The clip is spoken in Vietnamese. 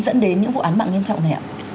dẫn đến những vụ án mạng nghiêm trọng này